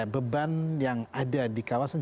beban yang ada di kawasan